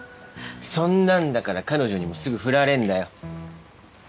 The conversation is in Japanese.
そんなんだから彼女にもすぐフラれんだよ。